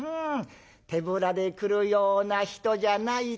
手ぶらで来るような人じゃないと思うよ。